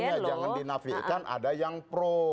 makanya jangan dinafikan ada yang pro